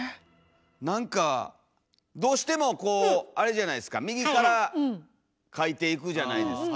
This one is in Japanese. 何かどうしてもこうあれじゃないですか右から書いていくじゃないですか。